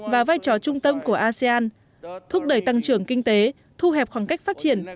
và vai trò trung tâm của asean thúc đẩy tăng trưởng kinh tế thu hẹp khoảng cách phát triển